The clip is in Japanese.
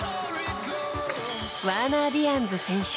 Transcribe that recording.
ワーナー・ディアンズ選手